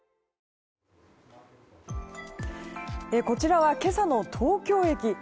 こちらは今朝の東京駅。